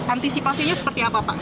antisipasinya seperti apa pak